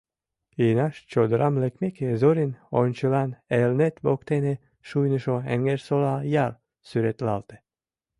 Инаш чодырам лекмеке, Зорин ончылан Элнет воктене шуйнышо Эҥерсола ял сӱретлалте.